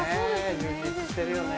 充実してるよね。